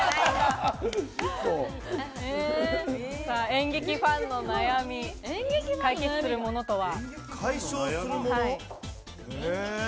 演劇ファンの悩み、解決するものとは？